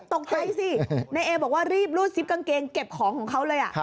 ตกใจสินายเอบอกว่ารีบรูดซิปกางเกงเก็บของของเขาเลย